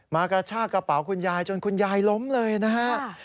กระชากระเป๋าคุณยายจนคุณยายล้มเลยนะฮะ